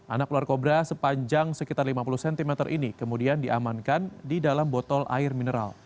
anak ular kobra sepanjang sekitar lima puluh cm ini kemudian diamankan di dalam botol air mineral